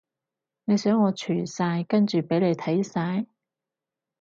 你想我除晒跟住畀你睇晒？